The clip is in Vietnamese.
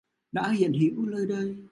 Đã hiện hữu nơi đây.